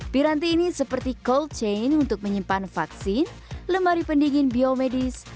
piranti ini seperti cold chain untuk menyimpan vaksin lemari pendingin biomedis